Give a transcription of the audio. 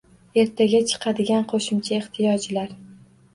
Ertaga chiqadigan qo'shimcha ehtiyojlar